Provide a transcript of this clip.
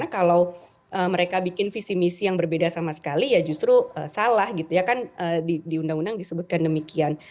kalau mereka bikin visi misi yang berbeda sama sekali ya justru salah gitu ya kan di undang undang disebutkan demikian